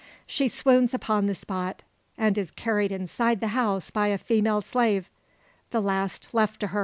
She swoons upon the spot, and is carried inside the house by a female slave the last left to her.